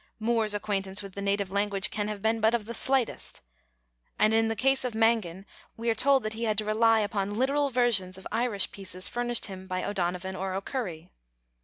Moore's acquaintance with the native language can have been but of the slightest, and in the case of Mangan we are told that he had to rely upon literal versions of Irish pieces furnished him by O'Donovan or O'Curry.